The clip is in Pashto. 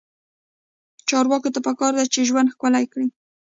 چارواکو ته پکار ده چې، ژوند ښکلی کړي.